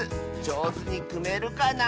じょうずにくめるかな？